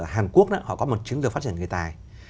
hàn quốc có một chứng được phát triển người tài